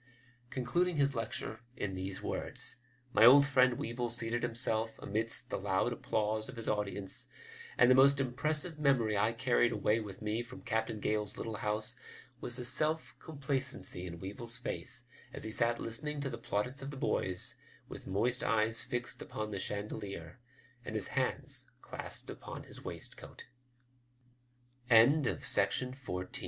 '* Concluding his lecture in these words, my old friend Weevil seated himself amidst the loud applause of his audience, and the most impressive memory I carried away with me from Captain Gale's little house was the self complacency in Weevil's face as he sat listening to the plaudits of the boys, with moist eyes fixed upon the chandelier, and his hands clasped upon his waistcoat* OL